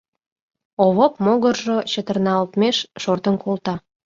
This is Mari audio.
Овоп могыржо чытырналтмеш шортын колта.